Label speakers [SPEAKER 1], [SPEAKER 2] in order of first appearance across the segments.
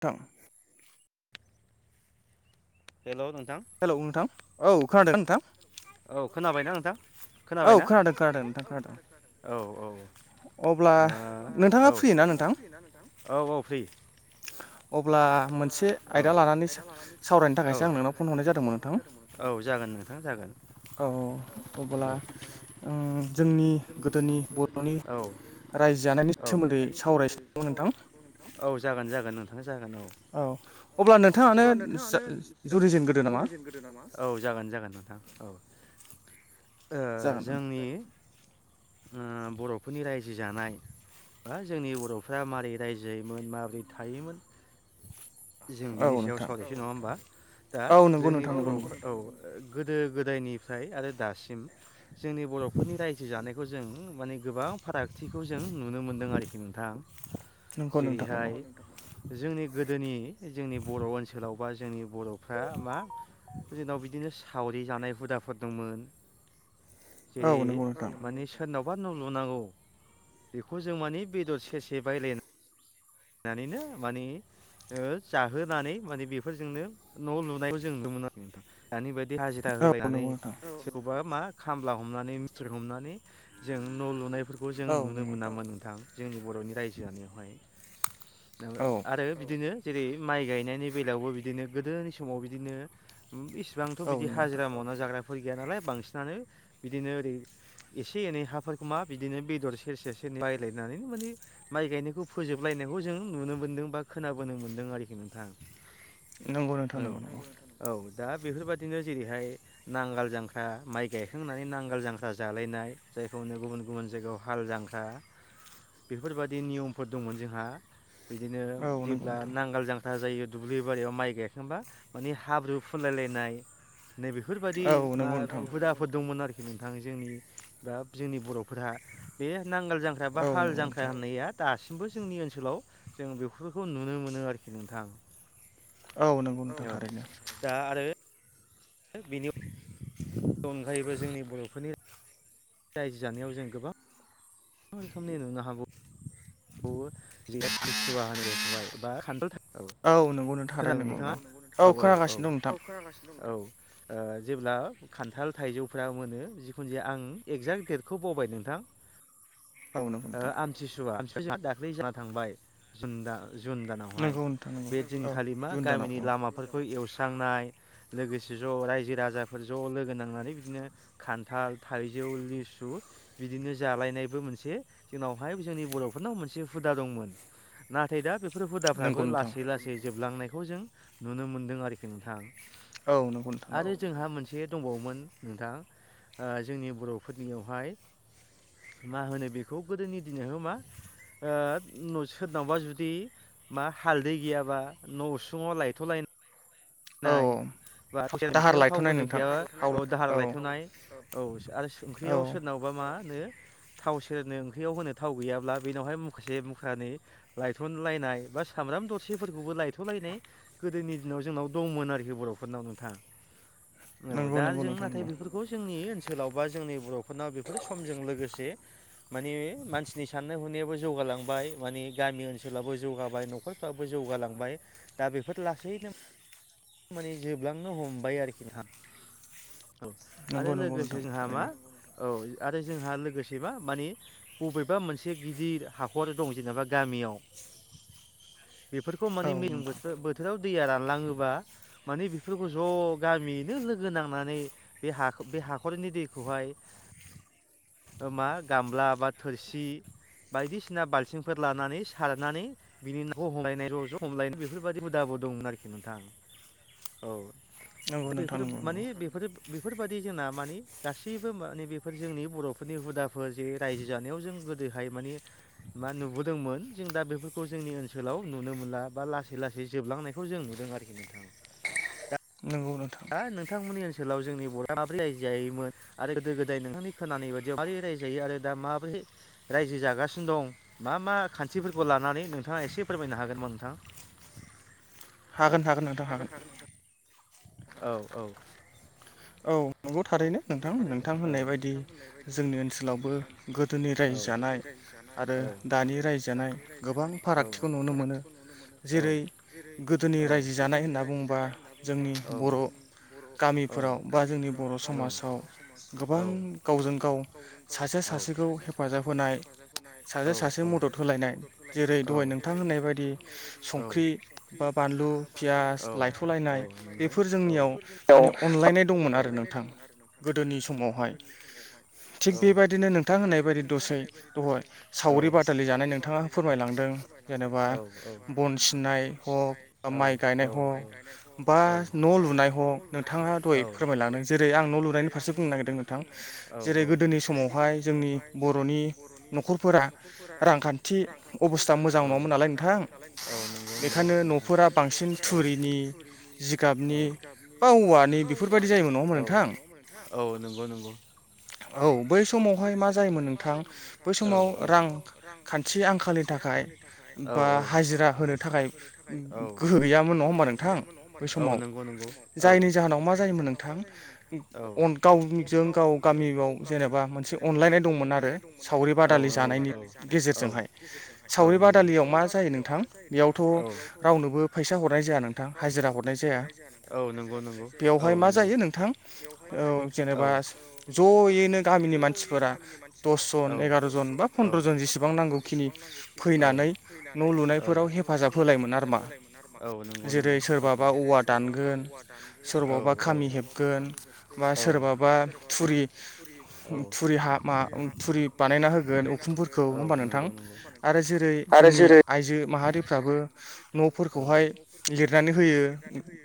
[SPEAKER 1] थां
[SPEAKER 2] hello
[SPEAKER 1] hello नोंथां औ खोनादों नोंथां
[SPEAKER 2] औ खोनाबायना नोंथां
[SPEAKER 1] औ खोनादों खोनादों नोंथां खोनादों
[SPEAKER 2] औ नोंथाङा फ्रि ना नोंथां औ औ फ्रि ‌
[SPEAKER 1] अब्ला मोनसे आयदा लानानै सावरायनो थाखायसो आं नोंनाव फन हरनाय जादोंमोन नोंथां
[SPEAKER 2] नोंथां जागोन
[SPEAKER 1] औ अब्ला ओम जोंनि गोदोनि बर'नि
[SPEAKER 2] औ औ जागोन जागोन नोंथाङा जागोन औ।
[SPEAKER 1] औ अब्ला नोंथाङानो जुरिजेनगोदो नामा।
[SPEAKER 2] नोंथां औ ओ जोंनि ओ बर'फोरनि रायजो जानाय बा जोंनि बर'फ्रा माबोरै रायजोायोमोन माबोरै थायोमोन जों बिनि सायाव सावरायनोसै नङा होमबा दा जोंनि बर' औ गोदो गोदायनिफ्राय आरो दासिम जोंनि बर'फोरनि रायजो जानाय खौ जों माने गोबां फाराग थिखौ जों नुनो मोन्दों आरोखि नोंथां जेरैहाय जोंनि जोंनि जोंनि बर' ओनसोलाव बा जोंनि बर'फ्रा मा जोंनाव बिदिनो सावरि जानाय हुदाफोर दंमोन। जेरै माने सोरनाव आबाद न' लुनांगौ बेखौ जों मानि बेदर सेरसे बायलायनाय नानैनो माने जाहोनानै माने बेफोरजोंनो न' लुनायखौ जों नुनोमोन आरो नोंथां दानि बायदि देहा जेदा होलायनानै सोरखौबा मा खामला हमनानै मिस्थ्रि हमनानै जों न' लुनाय बेफोरखौ जों नुनो मोनामोन नोंथां जोंनि बर'नि रायजो जानायावहाय। आरो बिदिनो जेरै माइ गायनायनि बेलायावबो बिदिनो गोदोनि समाव बिदिनो इसिबांथ' बिदि हाजिरा मावना जाग्राफोर गैया नालाय बांसिनानो बिदिनो ओरै एसे एनै हाफोरखौ मा बिदिनो बेदर सेरसे सेरनै बालायनानैनो माने माइ गायनायखौ फोजोब लायनायखौ जों नुनो मोन्दों बा खोनाबोनो मोन्दों आरोखि नोंथां। औ औ दा बेफोरबायादिनो जेरैहाय नांगाल जांख्रा माइ गायखांनानै नांगोल जांख्रा जालायनाय जायखौनो गुबुन गुबुन जायगायाव हाल जांख्रा बेफोरबायाददि नियमफोर दंमोन जों हा बिदिनो जेब्ला नांगाल जांख्रा जायो दुब्लि बारियाव माइ गायाखांबा मानि हाब्रु फुनलायलायनाय नै बेफोरबायाददि मा हुदाफोर दंमोन आरो खि नोंथां जोंनि बा जोंनि बर'फोरहा बे नांगोल जांख्रा बा हाल जांख्रा होननाया दासो जोंनि ओनसोलाव जों बेफोरखौ नुनो मोनो आरोखि नोंथां। औ दा आरो बिनियाव बर'फोरनि रायजो जानायाव जों गोबां गोबां रोखोमनि नुनो हागौ। [unintelligible] बा खान्थाल औ खोनादों नोंथाङा औ औ औ औ खोनागासिनो दं औ जेब्ला खान्थाल थाइजौफ्रा मोनो जिखुनु जाया आं एगजेक्ट दडेटखौ बावबाय नोंथां। ओ आमथिसुवा जोंहा दाख्लै जाना थांबाय जों दा। जुन दानावहाय बे दिनखालि मा गामिनि लामाफोरखौ एवस्रांनाय। लोगोसे ज' रायजो राजाफोर ज' लोगो नांनानै बिदिनो खान्थाल थाइजौ लिसु बिदिनो जालायनायबो मोनसे। जोंनावहाय जोंनि बर'फोरनाव मोनसे हुदा दंमोन नाथाय दा बे बेफोर हुदाफ्राबो लासै लासै जोबलांनायखौ जों नुनो मोन्दों आरोखि नोंथां।
[SPEAKER 1] औ नंगौ नोंथां औ।
[SPEAKER 2] एसे दंबावोमोन नोंथां ओ जोंनि बर'फोरनियावहाय। मा होनो बेखौ गोदोनि दिनैह मा। ओ न सोरनावबा जुदि मा हालदै गैयाबा न' उसुङाव लायथ'लायनो।
[SPEAKER 1] औ।
[SPEAKER 2] बा ओंख्रियाव थाव होनो गैया औ दाहारा लायथोंनाय औ आरो ओंख्रियाव सोरनावबा मा। नो। थाव सेरनो ओंख्रियाव होनो थाव गैयाब्ला बेनावहाय मुखसे मुख्रानि लायथनलायनाय बा साम। माम दरसेफोरखौबो लायथ'लायनाय गोदोनि दिनाव जोंनाव। दंमोन आरोखि बर'फोरनाव नोंथाङा औ दा जों नाथाय बेफोरखौ जोंनि ओन ओनसोलाव बा जोंनि बर'फोरनाव बेफोर समजों लोगोसे माने मानसिनि साननाय हनायाबो जौगा जौगालांबाय माने गामि ओनसोलावबो जौगाबाय न'खरफ्राबो जौगालांबाय दा बेफोर लासैनो माने जोबलांनो हमबाय आरोखि नोंथां औ आरो लोगोसे जोंहा मा औ। आरो जोंहा लोगोसे मा माने बबेबा मोनसे गिदिर हाखर दं जेनेबा गामियाव।
[SPEAKER 1] [inaudible]
[SPEAKER 2] बेफोरखौ माने मेसें बोथोराव बोथोराव दैया रानलाङोबा। माने बेफोरखौ ज' गामियैनो लोगो नांनानै बे बे हाख'रनि दैखौहाय।
[SPEAKER 1] [inaudible]
[SPEAKER 2] मा गामला बा थोरसि। बायदिसिना बालथिंफोर लानानै सारनानै बिनि न'खौ हमलायनाय र' ज' हमलायनाय बेफोरबायदि हुदा ब दंमोन आरोखि नोंथां औ दा बेफोरो माने बेफोरो बेफोरबायाददि जोंना माने गासैबो माने बेफोर जोंनि बर'फोरनि हुदाफोर जे रायजो जानायाव जों गोदोहाय माने मा नुबोदोंमोन जों दा बेफोरखौ जोंनि ओनसोलाव नुनो मोनला बा लासै ला सै जोबलांनायखौ जों नुदों आरोखि नोंथां। ह नोंथांमोननि ओनस ओनसोलाव जोंनि बर'आ माबोरै रायजो जायोमोन आरो गोदो गोदाय नोंथांनि खोनानाय बायदियाव माबोरै रायज जायो आरो दा माबोरै रायजो जागासिनो दं मा मा खान्थिफोरखौ लानानै नोंथाङा एसे फोरमायनो हागोनमोन नोंथां?
[SPEAKER 1] [inaudible] हागोन हागोन नोंथां हागोन।
[SPEAKER 2] औ- औ-।
[SPEAKER 1] औ नंगौ थारैनो नोंथां नोंथां होननाय बायदि जोंनि ओनसोलावबो गोदोनि राय
[SPEAKER 2] औ गोदोनि रायजोनाय औ आरो दानि रायजानाय औ गोबां फारागथिखौ नुनो मोनो औ। जेरै औ गोदोनि रायजो जानाय होनना बुं
[SPEAKER 1] जोंनि बर' गामि। फोराव बा जोंनि बर' समाजाव गोबां गावजों गाव सासे सासेखौ हेफ
[SPEAKER 2] सासेखौ हेफाजाब होनाय ओ- औ-सा सासे मदद होलायनाय औ जेरै दहाय नोंथां होननाय बायदि।
[SPEAKER 1] संख्रि बा बानलु पियास लायथ'लायनाय बेफोर जोंनियाव माने। अनलायनाय दंमोन आरो नोंथां गोदोनि समावहाय थिग बेबायदिनो नोंथां होननाय बेबादि दसे दहय सावरि बादालि जानाय नोंथाङा फोरमायलांदों जेनेबा। बन सिननाय हक बा माइ गायनाय हक बा न' लुनाय हक नो। नोंथाङा दहाय फोरमायलांदों जेरै आं न' लुनायनि फारसे बुंनो नागिरदों नोंथां जेरै गोदोनि समावहाय जोंनि जोंनि बर'नि न'खरफोरा रांखान्थि अबस्था मोजां नङामोन नालाय नोंथां।
[SPEAKER 2] औ नंगौ नंगौ बेखायनो न'खरा बांसिन थुरिनि जिगाबनि औ औ नंगौ नंगौ।
[SPEAKER 1] औ बै समावहाय मा जायोमोन नोंथां बै समाव रांखान्थि आंखालनि थाख
[SPEAKER 2] आ थाखाय औ औ बा हाजिरा होनो थाखाय औ गोहो गैयामोन नङा होमबाब नों औ नंगौ नंगौ
[SPEAKER 1] जायनि जाहोनाव मा जायोमोन नोंथां गावजों गाव गामियाव जेनेबा मोनसे
[SPEAKER 2] जेनेबा मोनसे अनलायनाय दंमोन आरो जानायनि गेजेरजोंहाय
[SPEAKER 1] जायो नोंथां बेयावथ' रावनोबो फ रायजोआ नोंथां हाजिरा हरनाय जाया।
[SPEAKER 2] नंगौ नंगौ औ नंगौ औ औ जेन'बा
[SPEAKER 1] मानसिफ्रा दस जन एगार' जन बा फन्द्र' जन जेसेबां नांगौखिनि फैनानै
[SPEAKER 2] न' लुनायफोराव हेफाजाब होलायोन आरोना औ नंगौ नंगौ जेरै सोरबाबा औवा दानगोन औ औ सोरबाबा खामि हेबगोन औ सोरबा थुरि औ
[SPEAKER 1] थुरि ह मा थुरि बानायना होगोन उखुमफोरखौ हबा नोंथां आरो जेरै जोंनि आइजो माहारिफ्राबो न'फोरखौहाय लिरनानै होयो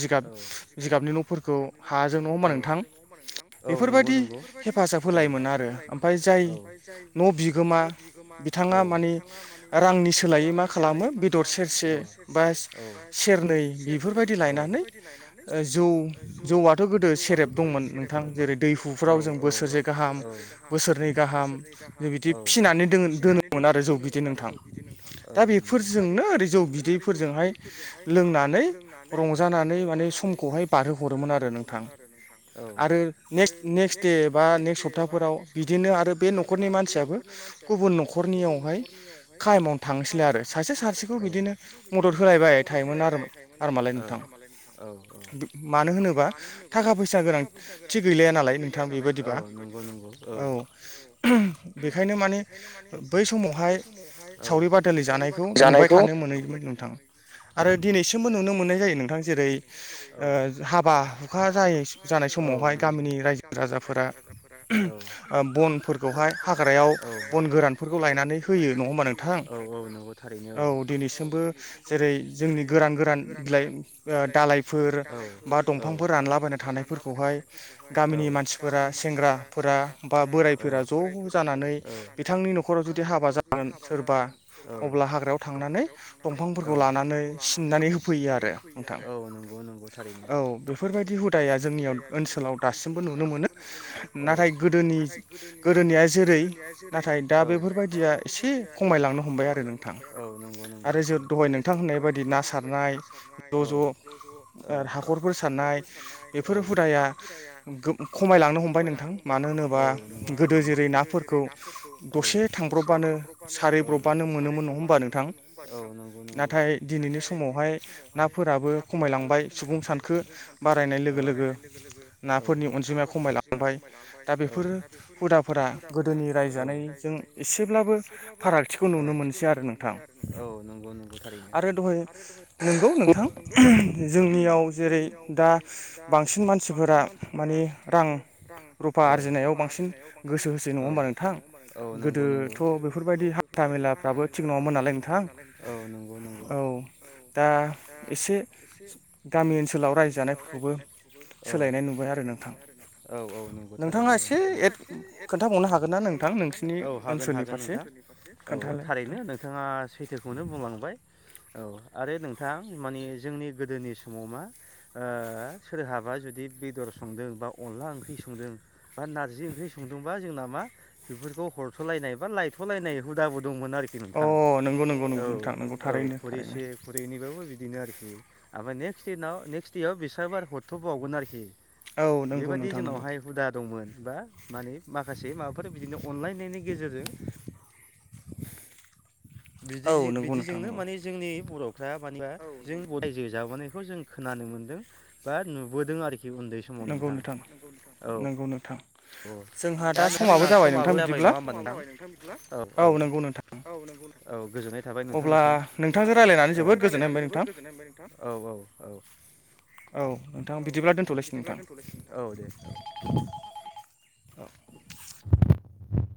[SPEAKER 1] जिगाब
[SPEAKER 2] नोंथां औ नंगौ नंगौ आरो माय जाय न' बिगोमा बिथाङा माने रांनि
[SPEAKER 1] खालामो बेदर सेरसे बा
[SPEAKER 2] बा सेरनै बेफोरबायदि लाय
[SPEAKER 1] जौ जौआथ' गोदो सेरेब दंमोन नोंथां जेरै दैहुफ्राव जों बोसोरसे गाहाम
[SPEAKER 2] गाहाम बोसोरनै गाहाम बे बिदि फिसिनानै दोनोमोन आरो जौ बिदि नोंथां
[SPEAKER 1] दा बेफोरजोंनो ओरै जौ बिदैफोरजोंहाय
[SPEAKER 2] फोरजोंहाय लोंनानै रंजानानै समखौहाय बारहो हरोमोन आरो नोंथां आरो नेसक नेसक दे बा
[SPEAKER 1] बिदिनो आरो बे न'खरनि मानसियाबो गुबुन न'खरनियावहाय काहमावनो थांसैलाय आरो सासे सासेखौ बिदिनो मदद होलायबाय
[SPEAKER 2] मदद होलायबायखायोमोन आरो थारमालाय नोंथां
[SPEAKER 1] मानो होनोबा थाखा फैसा गोनां थि गैलाया नालाय नोंथां बेबायाददिबा औ बेखायनो माने बै समावहाय सावरि बादालि जानायखौ नुबाय थानो मोनैमोन नोंथां आरो दिनैसिमबो नुनो मोननाय जायो नोंथां जेरै ओ हाबा हुखा जायै जानाय समावहाय गामिनि रायजो राजाफोरा ओ बनफोरखौहाय हाग्रायाव बन गोरानफोरखौ लायनानै होयो नङा होमबा नोंथां। औ दिनैसिमबो जेरै जोंनि गोरान गोरान बिलाइ ओ बेफोर बा दंफां रानला थानायफोरखौहाय गामिनि मानसिफोरा सेंग्रा
[SPEAKER 2] सेंग्राफोरा बा बोरायफोरा ज' जानानै बिथांनि न'खराव जुदि हाबा जागोन
[SPEAKER 1] अब्ला हाग्रायाव थांनानै दंफांफोरखौ लाना सिननानै होफैयो आरो नोंथां।
[SPEAKER 2] औ नंगौ नंगौ थारैनो औ बेफोरबायदि हुदाया जोंनि ओनसोलाव दासिमबो नुनो मोनो
[SPEAKER 1] नाथाय गोदोनि गोदोनिया जेरै नाथाय दा बेफोरबायदिया एसे खमायलां
[SPEAKER 2] खमायलांनो हमबाय औ नंगौ नंगौ औ आरो
[SPEAKER 1] [unintelligible] ना सारनाय बायदि ना सारनाय ज' ज'
[SPEAKER 2] ज' ज' हाखरफोर सारनाय बेफोर हुदाया खमायलां नो हमबाय नोंथां गोदो जेरै नाफोरखौ औ दसे थांब्र'बबानो औ साराय ब्र'बानो मोनोमोन नङा होमबा नोंथां।
[SPEAKER 1] दिनैनि समावहाय नाफोराबो
[SPEAKER 2] ना फोराबो खमायलांबाय सुबुं सानखो बारायनाय लोगो लोगो नाफोरनि अनजिमाया खमाय
[SPEAKER 1] दा बेफोरो हुदाफोरा गोदोनि रायजानायजों एसेब्लाबो फारागथिखौ
[SPEAKER 2] फारागथिखौ नुनो मोनसै आरो औ नंगौ नंगौ थारैनो
[SPEAKER 1] दहाय नंगौ नोंथां जोंनियाव जेरै दा बांसिन मानसिफोरा माने रां
[SPEAKER 2] रां औ रुफा आरजिनायाव बांसिन औ गोसो होसै नङा होमबा नोंथां औ औ नंगौ नंगौ गोदोथ' बेफोरबायदि हाथा मेलाफ्राबो थिग नङामोन नालाय नोंथां औ नंगौ नंगौ
[SPEAKER 1] दा एसे गामि ओनसोलाव रायजानायफोरखौबो सोलायनाय नुबाय आरो नोंथां।
[SPEAKER 2] औ औ नंगौ थारैनो ए खोनथनो हागोन न औ हागोन हागोन नोंथां नि फारसे औ थारैनो नोंथाङा सैथोखौनो बुंलांबाय औ आरो नोंथां मानि जोंनि गोदोनि समाव मा ओ सोरहाबा जुदि बेदर संदों बा अनला ओंख्रि संदों बा नारजि ओंख्रि संदोंबा जोंना मा बेफोरखौ हरथ'लायनाय बा लायथ'लायनाय हुदाबो दंमोन आरोखि नोंथां औ औ नंगौ नंगौ नोंथां। खुरैसे खुरैनैबाबो बिदिनो आरोखि आमफ्राय नेक्स्ट देनाव नेक्स्ट देआव बिसाबो आरो हरथ'बावगोन आरोखि बेबायदि जोंनावहाय हुदा दंमोन बा माने माखासे माबाफोर बिदिनो अनलायनायनि गेजेरजों बिदिदि बिदिजोंनो माने जोंनि बर'फ्रा मानिबा औ जों रायजो जाबोनायखौ जों खोनानो मोन्दों बा नुबोदों आरोखि उन्दै समाव नोंथां नंगौ नोंथां औ औ दा नोंथांमोना समाबो जाबाय नङा होमबा नोंथां औ-औ औ नंगौ गोजोननाय थाबाय नोंथांनिसिम अब्ला नोंथांजों औ रायलायनानै जोबोद गोजोननाय मोनबाय नोंथां औ-औ-औ
[SPEAKER 1] औ नोंथां बिदिब्ला दोनथ'लायसै नोंथां [inaudible]